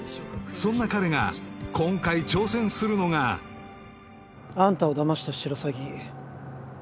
そんな彼が今回挑戦するのがあんたをダマしたシロサギ